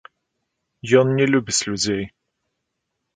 Ён не любіць людзей.